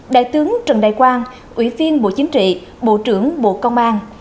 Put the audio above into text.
đại tướng trần đại quang ủy viên bộ chính trị bộ trưởng bộ công an